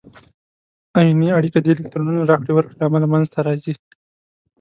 آیوني اړیکه د الکترونونو راکړې ورکړې له امله منځ ته راځي.